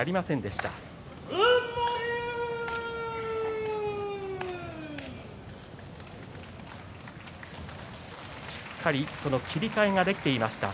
しっかり、その切り替えができていました。